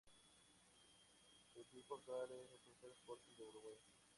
Su equipo actual es el Defensor Sporting de Uruguay.